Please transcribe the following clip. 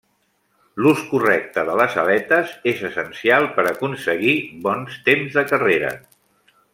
L'ús correcte de les aletes és essencial per aconseguir bons temps de carrera.